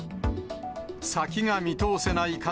先が見通せない